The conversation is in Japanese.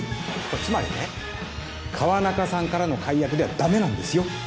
つまりね川中さんからの解約ではダメなんですよ